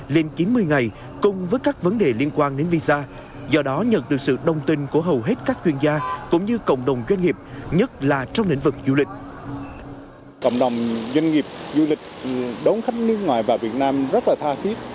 là cái thời gian cấp visa